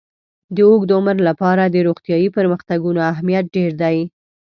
د اوږد عمر لپاره د روغتیايي پرمختګونو اهمیت ډېر دی.